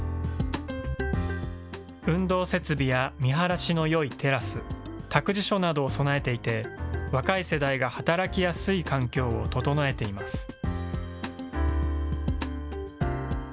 運動設備や見晴らしのよいテラス、託児所などを備えていて、若い世代が働きやすい環境を整えています。